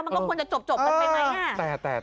มันก็ควรจะจบกันไปไหม